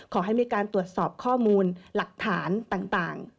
ขอให้มีการตรวจสอบข้อมูลหลักฐานต่าง